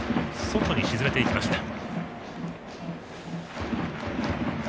外に沈めていきました。